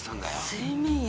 睡眠薬。